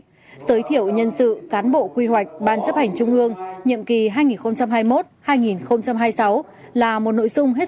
giới thiệu nhân sự cán bộ quy hoạch ban chấp hành trung ương nhiệm kỳ hai nghìn hai mươi một hai nghìn hai mươi sáu là một nội dung hết